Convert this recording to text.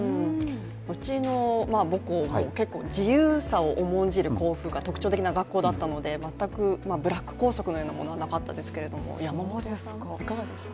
うちの母校も結構自由さを重んじる校風が特徴的な学校だったので全くブラック校則のようなものはなかったですけれども、山本さんはいかがですか？